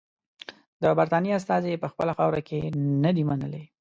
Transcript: د برټانیې استازي یې په خپله خاوره کې نه دي منلي.